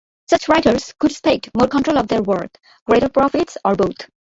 Such writers could expect more control of their work, greater profits, or both.